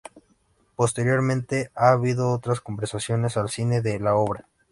Posteriormente, ha habido otras conversiones al cine de la obra.